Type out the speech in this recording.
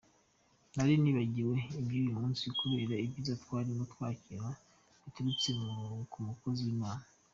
Nari nibagiwe iby’uyu munsi kubera ibyiza twarimo twakira biturutse ku mukozi w’Imana.